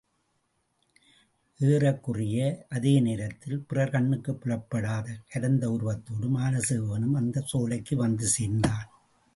ஏறக்குறைய அதே நேரத்தில் பிறர் கண்ணுக்குப் புலப்படாத கரந்த உருவத்தோடு மானசவேகனும் அந்தச் சோலைக்கு வந்து சேர்ந்தான்.